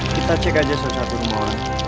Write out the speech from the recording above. kita cek aja suatu satu rumah